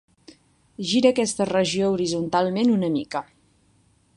Gira aquesta regió horitzontalment una mica.